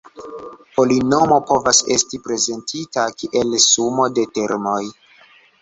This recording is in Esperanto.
Polinomo povas esti prezentita kiel sumo de termoj.